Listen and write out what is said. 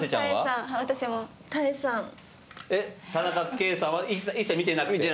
田中圭さんは一切見てなくて？